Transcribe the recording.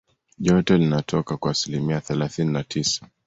joto linatoka kwa asilimia thelathini na tisa